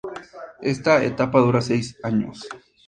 Esta etapa dura seis años.